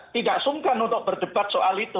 tidak sungkan untuk berdebat soal itu